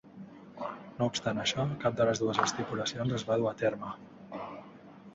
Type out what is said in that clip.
No obstant això, cap de les dues estipulacions es va dur a terme.